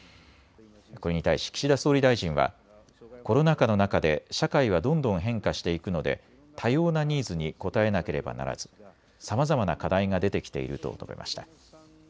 これに対し岸田総理大臣はコロナ禍の中で社会はどんどん変化していくので多様なニーズに応えなければならず、さまざまな課題が出てきていると述べました。